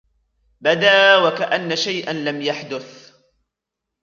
بدى و كأن شيئا لم يحدث.